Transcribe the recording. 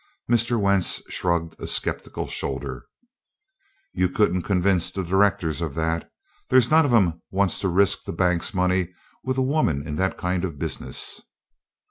Mr. Wentz shrugged a skeptical shoulder. "You couldn't convince the directors of that. There's none of 'em wants to risk the bank's money with a woman in that kind of business."